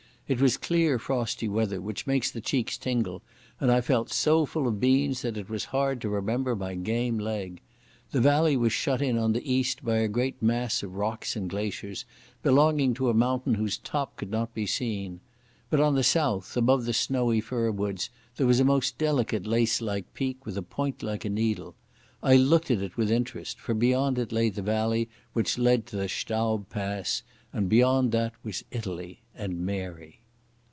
It was clear frosty weather which makes the cheeks tingle, and I felt so full of beans that it was hard to remember my game leg. The valley was shut in on the east by a great mass of rocks and glaciers, belonging to a mountain whose top could not be seen. But on the south, above the snowy fir woods, there was a most delicate lace like peak with a point like a needle. I looked at it with interest, for beyond it lay the valley which led to the Staub pass, and beyond that was Italy—and Mary.